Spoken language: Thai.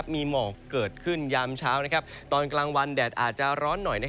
มีหมอกเกิดขึ้นยามเช้าตอนกลางวันแดดอาจจะร้อนหน่อย